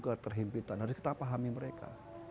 dan ketenangan itu membias kepada mereka